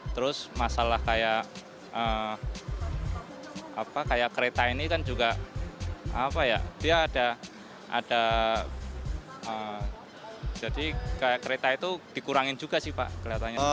terus masalah kayak kereta ini kan juga apa ya dia ada jadi kayak kereta itu dikurangin juga sih pak kelihatannya